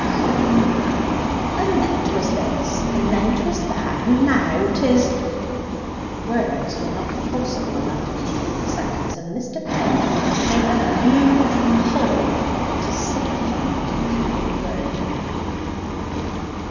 "True." "And then 'twas this, and then 'twas that, and now 'tis " Words were not forcible enough to conclude the sentence, and Mr. Penny gave a huge pull to signify the concluding word.